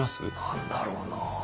何だろうな。